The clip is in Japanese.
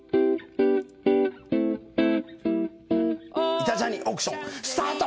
『イタ×ジャニ』オークションスタート。